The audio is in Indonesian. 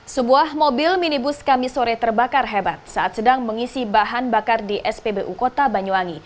sebuah mobil minibus kami sore terbakar hebat saat sedang mengisi bahan bakar di spbu kota banyuwangi